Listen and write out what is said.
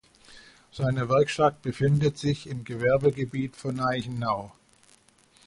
Seine Werkstatt befindet sich im Gewerbegebiet von Eichenau.